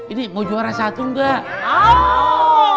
ini mau juara satu enggak